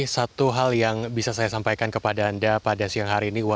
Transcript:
satu hal yang bisa saya sampaikan kepada anda pada siang hari ini